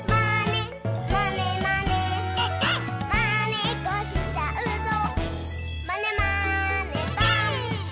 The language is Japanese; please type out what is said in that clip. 「まねっこしちゃうぞまねまねぽん！」